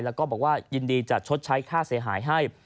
แล้วก็บอกว่ายินดีจะชดใช้ค่าเสียหายให้